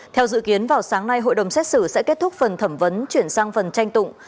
theo dự kiến vào sáng nay hội đồng xét xử sẽ kết thúc phần thẩm vấn chuyển sang phần tranh tụng